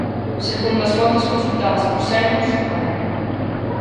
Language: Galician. Segundo as fontes consultadas por Sermos, tamén.